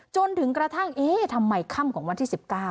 จนกระทั่งเอ๊ะทำไมค่ำของวันที่๑๙